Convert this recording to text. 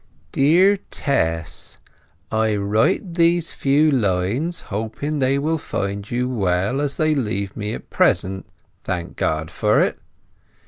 Dear Tess, J write these few lines Hoping they will find you well, as they leave me at Present, thank God for it.